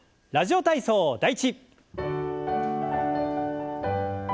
「ラジオ体操第１」。